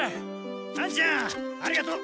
あんちゃんありがとう。